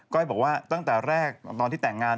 ้อยบอกว่าตั้งแต่แรกตอนที่แต่งงาน